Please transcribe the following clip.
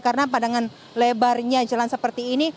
karena padahal lebarnya jalan seperti ini